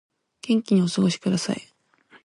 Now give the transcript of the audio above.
元気にお過ごしください